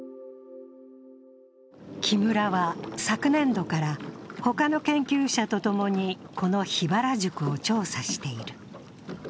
木村は昨年度から、他の研究者と共にこの桧原宿を調査している。